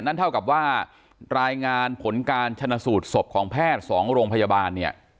นั่นเท่ากับว่ารายงานผลการชนะสูตรศพของแพทย์๒โรงพยาบาลเนี่ย